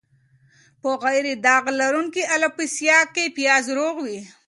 په غیر داغ لرونکې الوپیسیا کې پیاز روغ وي.